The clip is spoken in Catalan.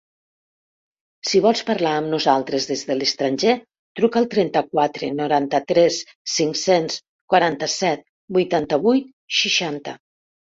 Si vols parlar amb nosaltres des de l'estranger, truca al trenta-quatre noranta-tres cinc-cents quaranta-set vuitanta-vuit seixanta.